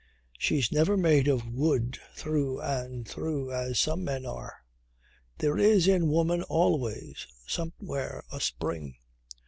She's never made of wood through and through as some men are. There is in woman always, somewhere, a spring.